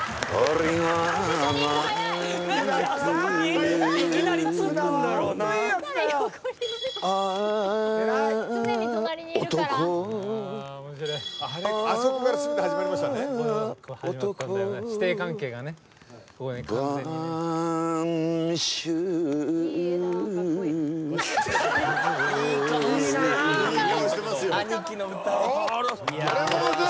ありがとうございます。